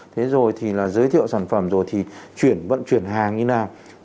thế rồi thì là giới thiệu sản phẩm rồi thì chuyển vận chuyển hàng như nào